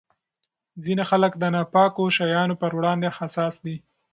ځینې خلک د ناپاکو شیانو پر وړاندې حساس دي.